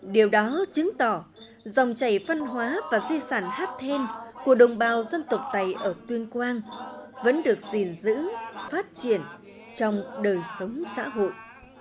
điều đó chứng tỏ dòng chảy văn hóa và di sản hát then của đồng bào dân tộc tày ở tuyên quang vẫn được gìn giữ phát triển trong đời sống xã hội